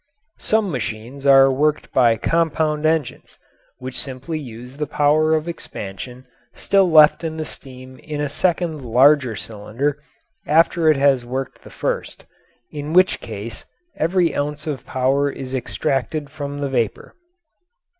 Some machines are worked by compound engines, which simply use the power of expansion still left in the steam in a second larger cylinder after it has worked the first, in which case every ounce of power is extracted from the vapour.